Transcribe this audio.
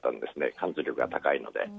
貫通力が高いので。